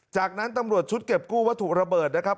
จากนั้นตำรวจชุดเก็บกู้วัตถุระเบิดนะครับ